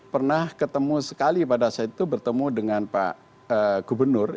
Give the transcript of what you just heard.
pernah ketemu sekali pada saat itu bertemu dengan pak gubernur